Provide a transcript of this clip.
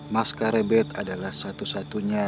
mas karebet adalah satu satunya